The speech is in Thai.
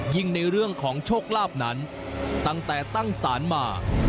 ในเรื่องของโชคลาภนั้นตั้งแต่ตั้งศาลมา